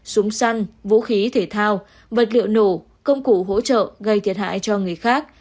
súng săn vũ khí thể thao vật liệu nổ công cụ hỗ trợ gây thiệt hại cho người khác